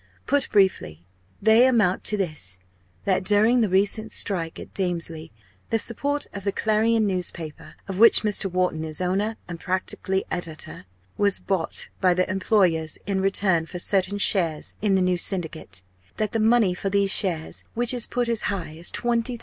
Put briefly, they amount to this: that during the recent strike at Damesley the support of the Clarion newspaper, of which Mr. Wharton is owner and practically editor, was bought by the employers in return for certain shares in the new Syndicate; that the money for these shares which is put as high as 20,000 _l.